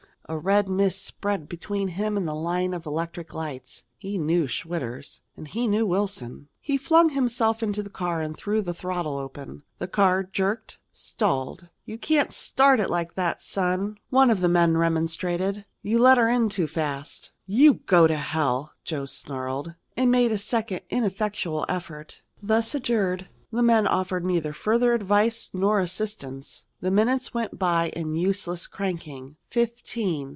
A red mist spread between him and the line of electric lights. He knew Schwitter's, and he knew Wilson. He flung himself into his car and threw the throttle open. The car jerked, stalled. "You can't start like that, son," one of the men remonstrated. "You let 'er in too fast." "You go to hell!" Joe snarled, and made a second ineffectual effort. Thus adjured, the men offered neither further advice nor assistance. The minutes went by in useless cranking fifteen.